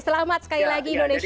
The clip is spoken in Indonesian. selamat sekali lagi indonesia